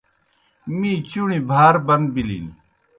می چُݨیْ بھار بن بِلِن۔